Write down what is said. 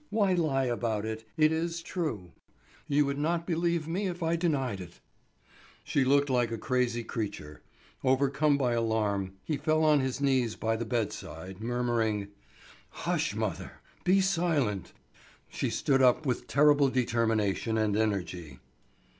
Why lie about it? It is true. You would not believe me if I denied it." She looked like a crazy creature. Overcome by alarm, he fell on his knees by the bedside, murmuring: "Hush, mother, be silent." She stood up with terrible determination and energy.